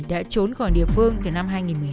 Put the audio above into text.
đã trốn khỏi địa phương từ năm hai nghìn một mươi hai